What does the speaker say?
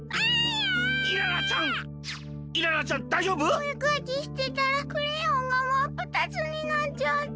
おえかきしてたらクレヨンがまっぷたつになっちゃった。